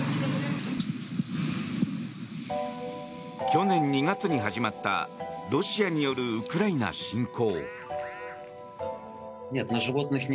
去年２月に始まったロシアによるウクライナ侵攻。